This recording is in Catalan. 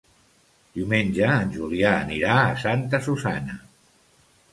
Diumenge en Julià anirà a Santa Susanna.